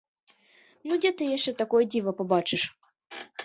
Ну дзе ты яшчэ такое дзіва пабачыш?